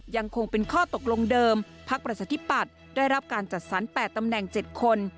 ยังคงเป็นข้อตกลงเดิมพักประชาธิปัตย์ได้รับการจัดสรร๘ตำแหน่ง๗คน